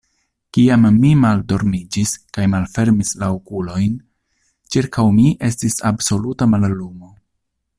Kiam mi maldormiĝis kaj malfermis la okulojn, ĉirkaŭ mi estis absoluta mallumo.